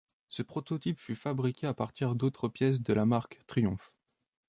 Ce prototype fut fabriqué à partir d'autres pièces de la marque Triumph.